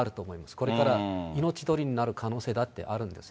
これから命取りになる可能性だってあるんですね。